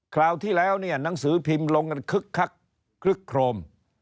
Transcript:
คราวที่แล้วเนี่ยหนังสือพิมพ์ลงกันคึกคักคลึกโครม